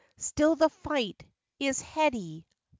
Still the fight is " heady."